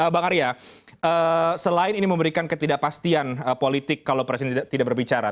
bang arya selain ini memberikan ketidakpastian politik kalau presiden tidak berbicara